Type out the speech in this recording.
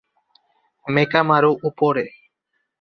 মেকামারু, উপরে!